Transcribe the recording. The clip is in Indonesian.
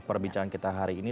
perbincangan kita hari ini